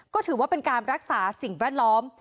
ก็ถือว่าเป็นการรักษาสิ่งแวดล้อม